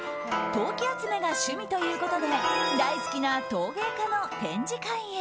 陶器集めが趣味ということで大好きな陶芸家の展示会へ。